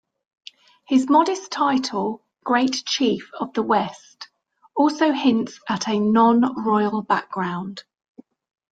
His modest title 'Great chief of the West' also hints at a non-royal background.